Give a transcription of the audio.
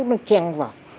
nó chen vào